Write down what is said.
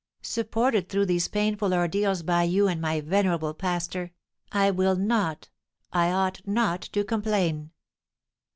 Supported through these painful ordeals by you and my venerable pastor, I will not I ought not to complain."